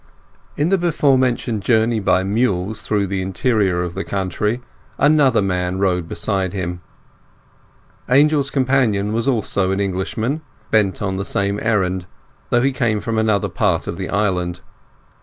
In the before mentioned journey by mules through the interior of the country, another man rode beside him. Angel's companion was also an Englishman, bent on the same errand, though he came from another part of the island.